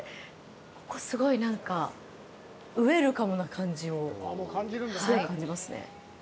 ここ、すごいなんかウエルカムな感じをすごい感じますね。